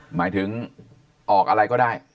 หมายถึงออกอะไรก็ได้